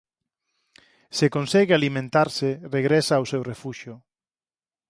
Se consegue alimentarse regresa ao seu refuxio.